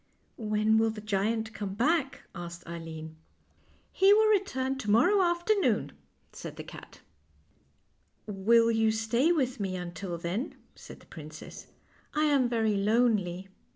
" When will the giant come back? " asked Eileen. THE LITTLE WHITE CAT 127 " He will return to morrow afternoon," said the cat. "Will you stay with me until then?' 1 said the princess. " I am very lonely."